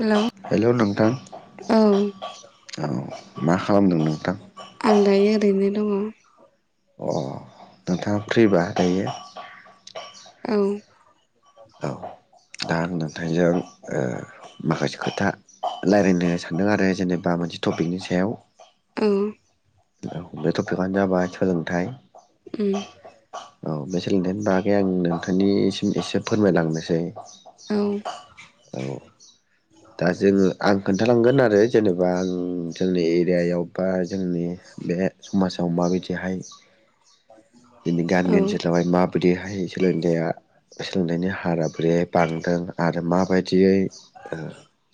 Hello hello नोंथां औ [inaudible] औ मा खालामदों नोंथां? आं दायो ओरैनो दङ। अ नोंथाङा फ्रिबा दायो? बुं औ दा आं नोंथांजों ओ माखासे खोथा रायलायनो सानदों आरो जेनेबा मोनसे टपिकनि सायाव। औ औ बे टपिकआनो जाबाय सोलोंथाय। उम औ बे सोलोंथाइनि बागै आं नोंथांनिसिम एसे फोरमायलांनोसै। औ औ दा जोङो आं खोन थालांगोन आरो जेनेबा आं जोंनि एरियायाव बा जोंनि बे समाजाव माबायदि हाय जोंनि गामि औ ओनसोलावहाय मा बादि गाहाय सोलोंथाइ‌आ सोलोंनायनि हारा बोरै बांदों। आरो माबायदियै ओ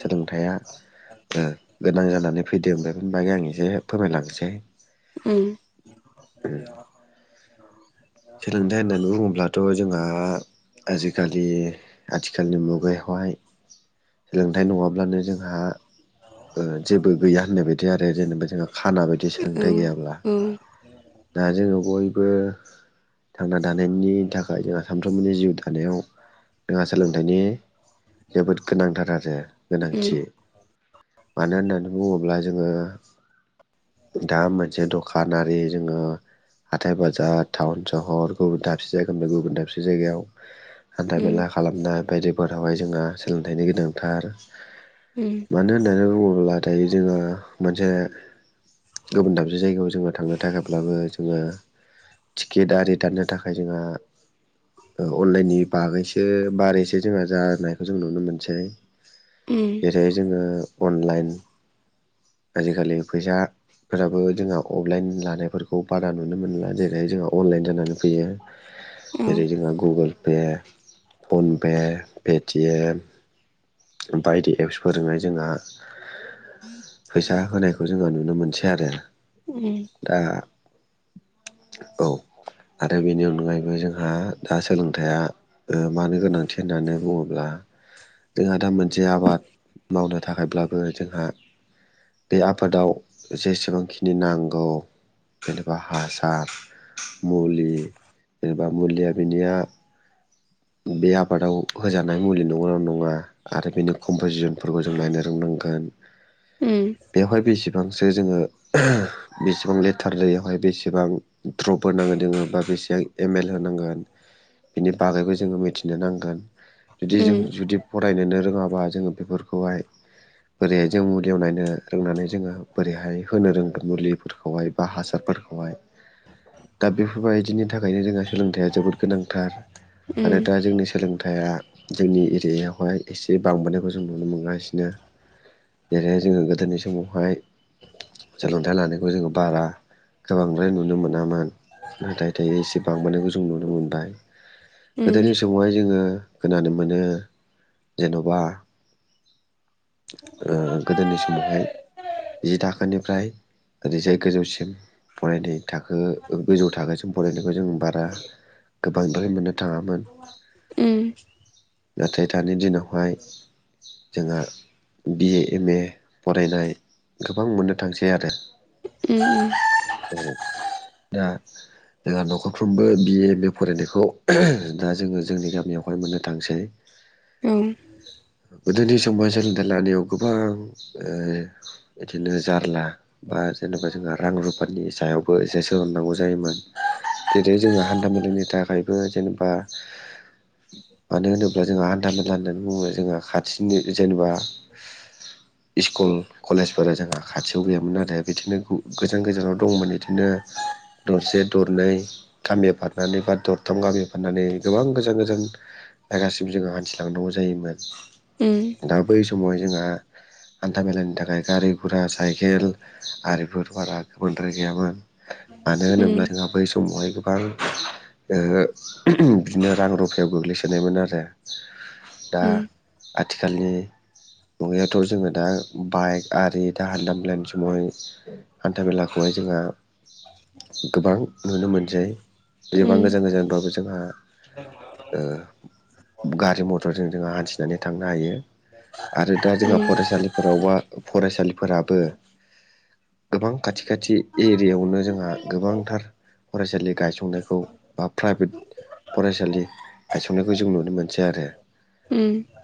सोलोंथाइ आ ओ गोनां जानानै फैदों। बे फोरनि बागै आं एसे फोरमायलांसै। उम उम सोलोंथाइ होननानै बुङोब्लाथ' जोंहा आजिखालि आथिखालनि मुगायावहाय। सोलोंथाइ नङाब्लानो जोंहा ओ जेबो गैया होननाय बायदि आरो जेनेबा जोंहा खाना बायदि औ सोलोंथाइ गैयाब्ला। उम दा जोङो बयबो थांना थानायनि थाखाय जोंहा सानफ्रोमबोनि जिउ थानायाव दोंहा सोलोंथाइनि जोबोद गोनांथार आरो उम उम गोनांथि। औ मानो होननानै बुङोब्ला जोङो दा मोनसे दख खानारि जोङो हाथाय बाजार टाउन सहर गुबुन दाबसे जायगानिफाय गुबुन दाबसे जायगायाव हान्था उम मेला खालामनाय बायदि फोरावहाय जोंहा सोलोंथाइनि गोनांथार। मानो होननानै बुङोब्ला दायो जोङो मोनसे गुबुन दाबसे जायगायाव जोङो थांनो थाखायब्लाबो जोङो थि गेट आरि दाननो थाखाय जोंहा ओ अनलायननि बागैसो बारैसो जोंहा जानायखौ जों नुनो मोनसै। उम जेरै जोङो अनलाइन आजिखालि फैसा फोराबो जोंहा अफलाइन लानायफोरखौ बारा नुनो मोनला जेरैहाय जोङो अनलाइन जानानै फैयो। जेरै जोंहा गुगोल पे फनपे, पेटिएम। बायदि एप्स फोरजों हाय जोंहा फैसा होनायखौ जोङो नुनो मोनसै आरो। उम औ उम दा औ। आरो बेनि अनगायैबो जोंहा दा सोलोंथाइया मानो गोनांथि होननानै बुङो ब्ला जोंहा दा मोनसे आबाद मावनो थाखायब्लाबो जोंहा बे आबादाव जेसेबांखिनि नांगौ जेनेबा हासार मुलि जेनेबा मुलिया बिनिया [inaudible] बे आबादाव होजानाय मुलि नंगौ नङा। आरो बेनि कमपजिसनफोरखौ जों नायनो रोंनांगोन। [inaudible] बेवहाय बेसेबांसो जोङो बेसेबां लिटार दैयावहाय बेसेबां द्रप होनांगोन जोङो। बा बेसेां एमेल होनांगोन बेनि बागैबो जोङो मिथिनो नांगोन। जुदि जों जुदि फरायनोनो रोङाबा जोङो बेफोरखौहाय बोरैहाय जों मुलियाव नायनो रोंनानै जोङो बोरैहाय होनो रोंनो मुलिफोरखौहाय बा हासारफो फोरखौहाय। दा बेफोरबायदिनि थाखायनो जोंहा सोलोंथाइया जोबोद गोनांथार। आरो दा उम जोंनि सोलोंथाइया जोंनि एरियायावहाय एसे बांबोनायखौ जों नुनो मोनगासिनो। जेरैहाय जोङो गोदोनि समावहाय सोलोंथाइ लानायखौ जोङो बारा गोबांद्राय नुनो मोन मोनामोन नाथाय दायो एसे बांबोनायखौ जों नुनो मोनबाय। उम उम गोदोनि समावहाय जोङो खोनानो मोनो जेन'बा ओ गोदोनि समावहाय जि थाखोनिफ्राय ओरैजाय गोजौसिम फरायनायनि थाखाय खो गोजौ थाखोसिम फरायनायखौ जों बारा गोबांद्राय मोननो थाङामोन। ब [unintelligible] नाथाय दानि दिनावहाय जोंहा बि-ए एम-ए फरायनाय गोबां मोननो थांसै आरो। औ दा जोंहा न'खरफ्रोमबो बि-ए एम- ए फरायनायखौ दा जोङो जोंनि गामियावहाय मोननो थांसै। ओं। गोदोनि समाव सोलोंथाइ लानायाव गोबां ओ बिदिनो जारला बा जेनेबा जोंहा रां रुफनि सायावबो एसे सोलोंनांगौ जायोमोन। जेरै जोङो हान्था मेलानि थाखायबो जेनेबा मानो होनोब्ला जोंहा हान्था मेला होननानै बुङो जोंहा खाथिनि जेनेबा स्कुल कलेजफोरा जोंहा खाथियाव गैयामोन आरो बिदिनो गोजान गोजानाव दंमोन। बिदिनो दरसे दरनै गामियाव बारनानै बा दरथाम गामियाव बारनानै गोबां गोजान गोजान जायगासिम जोङो हान्थिलांनांगौ जायोमोन दा बै समाव जोंहा [inaudible] हान्था मेलानि थाखाय गारि गुरा साइकेल आरिफोर बारा गोबांद्राय गैयामोन। मानो होनोब्ला जोंहा बै समावहाय गोबां ओ बिदिनो रां रुफायाव गोग्लैसोनायमोन आरो। दा आथिखालनि मुगायाथ' जोङो दा बाइक आरि दा हान्था मेलानि समावहाय हान्था मेलाखौहाय जोंहा गोबां नुनो मोनसै जेसेबां गोजान गोजानबाबो ज जोंहा ओ गारि मथरजों जों हान्थिनानै थांनो हायो। आरो दा जोंहा फरायसालिफोरावबा फरायसालिफोराबो गोबां खाथि खाथि ए एरियायावनो जोंहा गोबांथार फरायसालि गायसंनायखौ बा प्राइभेट फरायसालि गायसंनायखौ जों नुनो मोनसै आरो।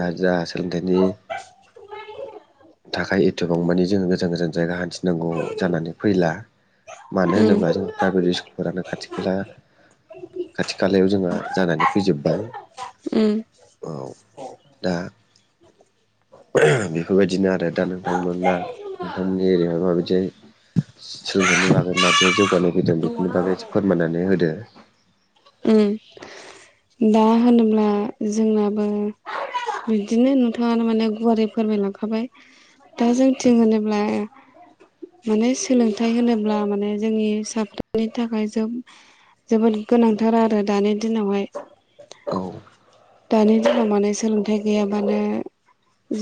दा जा सोंलोंथायनि थाखाय एथबांमानि जोङो गोजान गोजान जायगा हान्थिनांगौ जानानै फैला मानो होनोब्ला जोंहा प्राइभेट स्कुलफोरानो खाथि खाला। खाथि खालायाव जोंहा जानानै फैजोबबाय। औ दा। बेफोरबायदिनो आरो दा नोंथांमोना नोंथांमोननि एरियायावहाय माबायदि सोलोंथाइनि बागै मादि जौगानाय फैदों बेफोरनि बागै फोरमायनानै होदो। उम दा होनोब्ला जोंनाबो बिदिनो नोंथाङानो माने गुवारै फोरमायलांखाबाय। दा जोंथिं होनोब्ला माने सोलोंथाइ होनोब्ला माने जोंनि साफ्रोमनि थाखाय जोबोर जोबोद गोनांथार आरो दानि दिनावहाय औ दानि दिनाव माने सोलोंथाइ गैयाबानो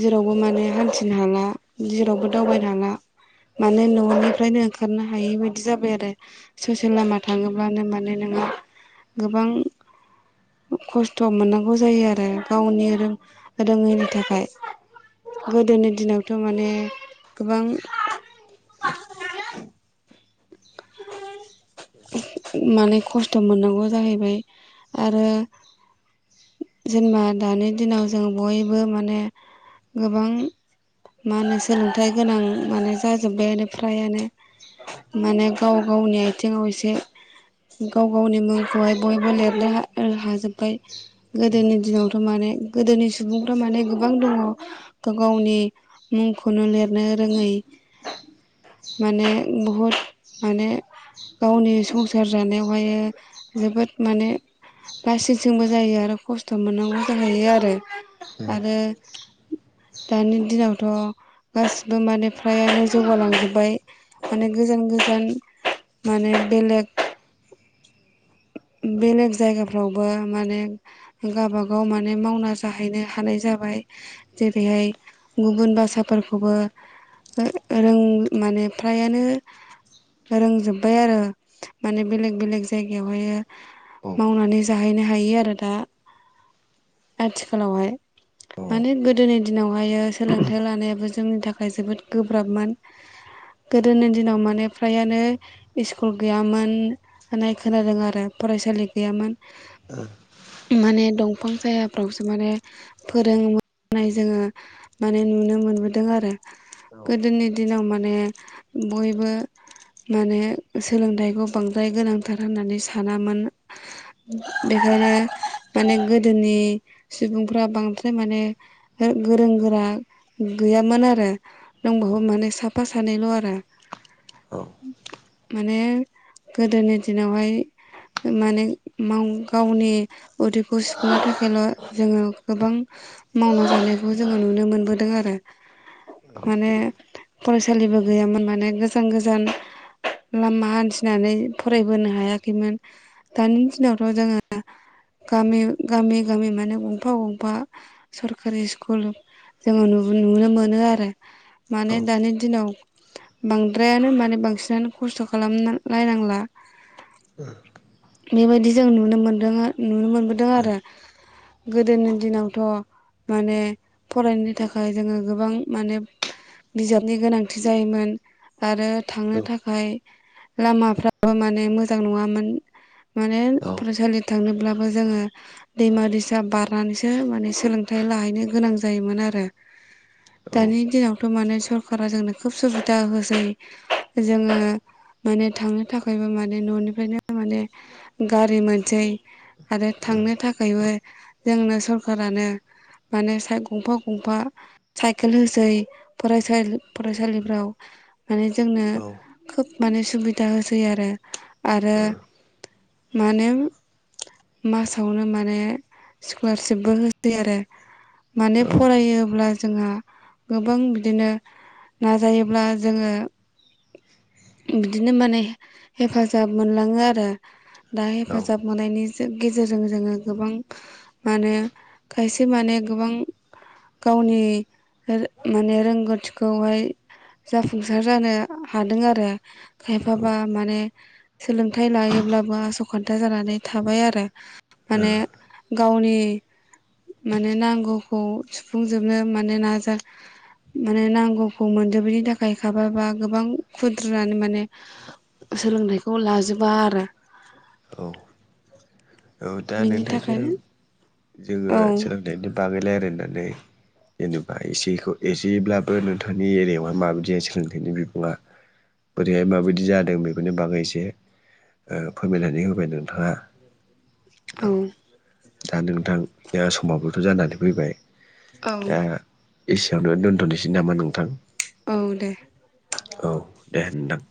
जेरावबो माने हान्थिनो हाला जेरावबो दावबायनो हाला माने न'निफ्रायनो ओंखारनो हायि बायदि जाबाय आरो ससे लामा थाङोब्लानो माने नोङो गोबां खस्थ' मोननांगौ जायो आरो गावनि रो रोङैनि थाखाय गोदोनि दिनावथ' माने गोबां [inaudible] [inaudible] माने खस्थ' मोननांगौ जाहैबाय आरो जेनेबा दानि दिनाव जों बयबो माने गोबां मा होनो सोलोंथाइ गोनां माने जाजोब्बायानो फ्रायानो माने गाव गावनि आथिङाव एसे गाव गावनि मुंखौहाय बयबो लिरनो हाजोब्बाय गोदोनि दिनावथ' माने गोदोनि सुबुंफ्रा माने गोबां दङ गाव गावनि मुंखौनो लिरनो रोङै माने बहुद माने गावनि संसार जानायावहाय जोबोद माने लासिंसिंबो जायो आरो खस्थ' मोननांगौ जाहैयो आरो आरो दानि दिनावथ' गासिबो मानि फ्रायानो जौगालांजोब्बाय माने गोजान गोजान माने बेलेग बेलेग जायगाफ्रावबो माने गावबागाव माने मावना जाहैनो हानाय जा जाबाय जेरैहाय गुबुन भाषाफोरखौबो रों माने फ्रायानो रोंजोब्बाय आरो माने बेलेग बेलेग जायगायावहाय औ मावनानै जाहैनो हायो आरो दा आथिखालावहाय औ माने गोदोनि दिनावहाय सोलोंथाइ लानायाबो जोंनि थाखाय जोबोद गोब्राबमोन गोदोनि दिनाव माने फ्रायानो स्कुल गैयामोन होननाय खोनादों आरो फरायसालि गैयामोन माने दंफां जायाफ्रावसो माने फोरोङोमोन नाय जोङो माने नुनो मोनबोदों आरो औ औ गोदोनि दिनाव माने बयबो माने सोलोंथाइखौ बांद्राय गोनांथार होननानै सानामोन बेखायनो माने गोदोनि सुबुंफ्रा बांद्राय माने गोरों गोरा गैयामोन आरो दंबाबो औ माने साफा सानैल आरो औ माने गोदोनि दिनावहाय माने माव गावनि उदैखौ सुफुंनो थाखायल जोङो गोबां मावना जानायखौ जोङो नुनो मोनबोदों आरो औ माने फरायसा सोलिबो गैयामोन माने गोजान गोजान लामा हान्थिनानै फरायबोनो हायै खैमोन दानि दिनावथ जोङो गामि गामि माने गंफा गंफा सर सरखारि स्कुल जोङो नुनो मोनो आरो माने औ दानि दिनाव बांद्रायानो माने बांसिनानो खस्थ खालामलायनांला ओ बेबायदि जों नुनो मोनदों नुनो मोनबोदों आरो गोदोनि दिनावथ माने फरायनो थाखाय जोङो गोबां माने बिजाबनि गोनांथि जायोमोन आरो थांनो थाखाय लामाफ्राबो माने मोजां नङामोन माने फरायसालि थांनो अब्लाबो जोङो दैमा दैसा बारनानैसो माने सोलोंथाइ लाहैनो गोनां जायोमोन आरो। दानि दिनावथ माने सरखारारा जोंनो खोब सुबिदा होसै जोङो माने थांनो थाखायबो माने ननिफ्रायनो माने गारि मोनसै आरो थांनो थाखायबो जोंनो सरकारा दानो माने गंफा गंफा साइकेल होसै फसालि फरायसालिफ्राव माने जोंनो खोब माने सुबिदा होसै आरो। आरो माने मासावनो माने स्कलारशिपबो होसै आरो। माने फरायोब्ला जोंहा गोबां बिदिनो नाजायोब्ला जोङो बिदिनो माने हेफाजाब मोनलाङो आरो दा हेफाजाब मोननायनि गेजेरजों जोङो गोबां माने खायसे माने गोबां गावनि माने रोंगौथिखौहाय जाफुंसार जानो हादों आरो खायफाबा माने सोलों हथाय लायोब्लाबो आसखान्था जानानै थाबाय आरो औ माने गावनि माने नांगौखौ सुफुंजोबनो माने नाजा माने नांगौखौ मोनजोब बेनि थाखाय खाबाबा गोबां खुद्रानो माने सोलोंथाइखौ लाजोबा आरो। औ औ दा बिनि नोंथायजों थाखायनो जोङो औ सोलोंनायनि बागैलाय रायलायनानै जेनेबा एसेखौ एसेब्लाबो नोंथांनि एरियायावहाय माबायदि सोलोंथाइनि बिबुङा। बोरैहाय माबायदि जादों बेफोरनि बागै इसे ओ फोरमायनानै होबाय नोंथाङा। औ दा नोंथां समाबोथ' जानानै फैबाय। औ दा एसेयावनो दोनथ'नोसै नामा नोंथां औ दे। औ दे होनदां।